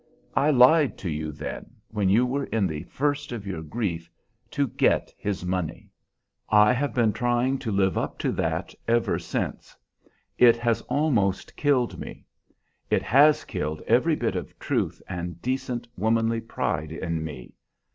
I lied to you then, when you were in the first of your grief, to get his money! I have been trying to live up to that He ever since. It has almost killed me; it has killed every bit of truth and decent womanly pride in me.